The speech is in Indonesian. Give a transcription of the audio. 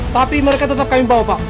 tapi mereka tetap kami bawa pak